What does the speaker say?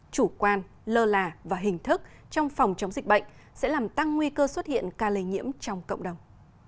chủ quan lơ là và hình thức trong phòng chống dịch bệnh sẽ làm tăng nguy cơ xuất hiện ca lây nhiễm trong cộng đồng